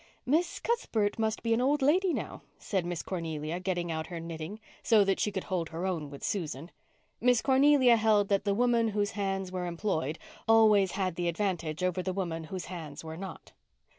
"Miss Cuthbert must be an old lady now," said Miss Cornelia, getting out her knitting, so that she could hold her own with Susan. Miss Cornelia held that the woman whose hands were employed always had the advantage over the woman whose hands were not.